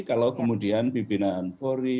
kalau kemudian pimpinan pori